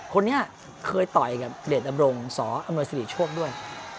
คนนี้เคยต่อยกับเดียนอำรงสอบอังกฤษฐีช่วงด้วย